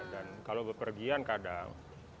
dan kalau berpergian kadang